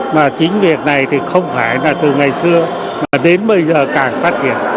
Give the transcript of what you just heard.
mà chính việc này thì không phải là từ ngày xưa mà đến bây giờ cả phát hiện